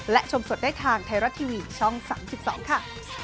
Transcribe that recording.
และชมสดได้ทางไทยรัฐทีวีช่อง๓๒ค่ะ